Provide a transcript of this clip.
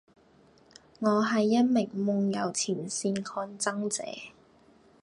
我係一名夢遊前線抗爭者